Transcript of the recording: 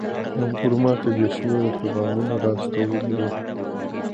ملګرو ماته بې شمېره پيغامونه را استولي وو.